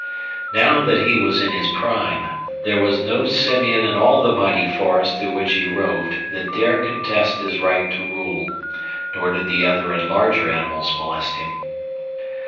Now that he was in his prime, there was no simian in all the mighty forest through which he roved that dared contest his right to rule, nor did the other and larger animals molest him.